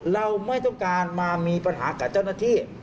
เราไม่ต้องการมามีปัญหากับเจ้าหน้าที่